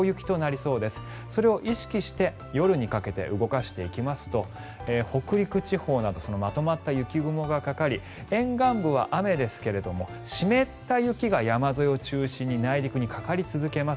それを意識して夜にかけて動かしていきますと北陸地方などまとまった雪雲がかかり沿岸部は雨ですが湿った雪が山沿いを中心に内陸にかかり続けます。